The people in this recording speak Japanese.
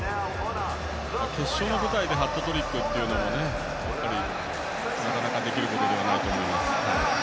決勝の舞台でハットトリックというのもなかなかできることじゃないと思います。